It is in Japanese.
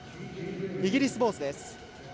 イギリスボールです。